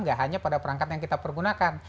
gak hanya pada perangkat yang kita pergunakan